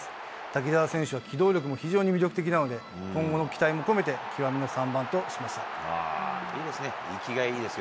滝澤選手は機動力も非常に魅力的なので、今後の期待も込めて、いいですね。